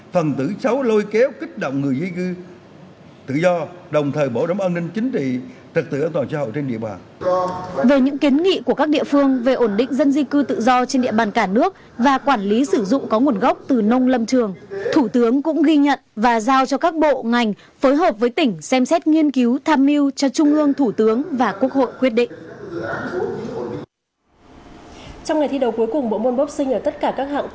trong ngày thi đấu cuối cùng bộ môn boxing ở tất cả các hạng cân tại đại hội thể thao toàn quốc lần thứ tám đoàn thể thao công an nhân dân đã xuất sắc giành hai huy chương vàng và bốn huy chương bạc